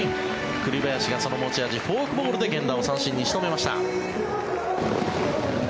栗林がその持ち味、フォークボールで源田を三振に仕留めました。